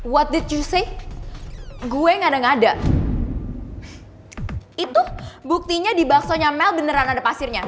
what that you say gue ngade ngada itu buktinya di baksonya mel beneran ada pasirnya